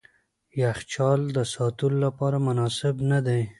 یخچال د ساتلو لپاره مناسب نه دی.